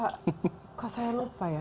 pak kok saya lupa ya